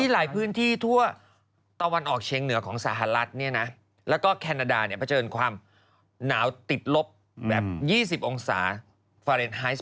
แล้วก็แคนาดาประเจนความหนาวติดลบ๒๐องศาเฟอร์เอนไฮส